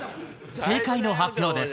正解の発表です。